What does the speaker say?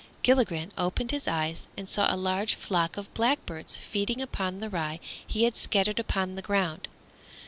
Gilligren opened his eyes and saw a large flock of blackbirds feeding upon the rye he had scattered upon the ground.